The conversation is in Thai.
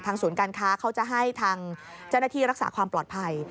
ศูนย์การค้าเขาจะให้ทางเจ้าหน้าที่รักษาความปลอดภัย